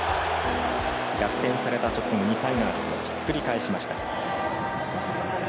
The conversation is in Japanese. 逆転された直後にタイガースはひっくり返しました。